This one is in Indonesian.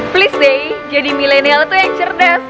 please deh jadi milenial itu yang cerdas